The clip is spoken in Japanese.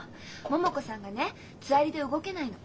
桃子さんがねつわりで動けないの。